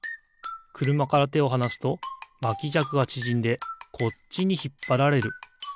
くるまからてをはなすとまきじゃくがちぢんでこっちにひっぱられる。